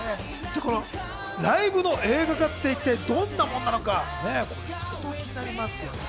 ライブの映画化ってどんなものなのか気になりますよね。